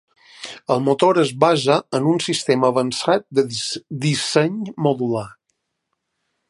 El motor es basa en un sistema avançat de disseny modular.